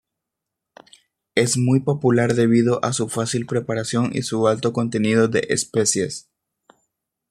Es muy popular debido a su fácil preparación y su alto contenido de especias.